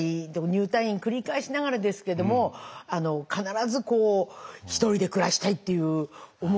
入退院繰り返しながらですけども「必ず一人で暮らしたい」っていう思いを抱いて。